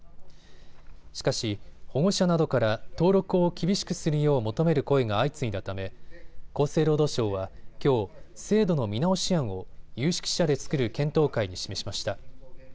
しかし保護者などから登録を厳しくするよう求める声が相次いだため厚生労働省はきょう、制度の見直し案を有識者で作る検討会に示しました。